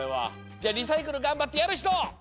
じゃリサイクルがんばってやるひと？